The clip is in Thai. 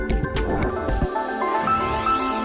โปรดติดตามตอนต่อไป